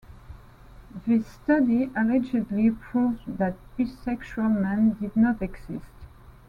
This study allegedly "proved" that bisexual men did not exist.